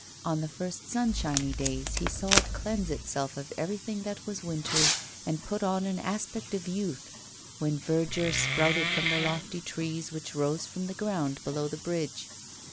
On the first sunshiny days he saw it cleanse itself of everything that was wintry and put on an aspect of youth, when verdure sprouted from the lofty trees which rose from the ground below the bridge.